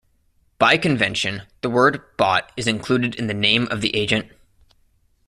By convention the word "bot" is included in the name of the agent.